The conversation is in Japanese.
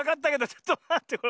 ちょっとまってよ。